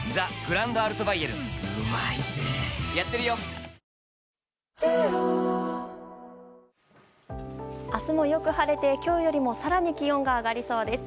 明星「中華三昧」明日もよく晴れて今日よりも更に気温が上がりそうです。